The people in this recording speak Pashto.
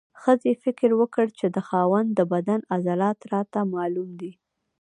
ښځې فکر وکړ چې د خاوند د بدن عضلات راته معلوم دي.